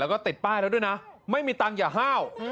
แล้วก็ติดป้ายแล้วด้วยนะไม่มีตังค์อย่าห้าว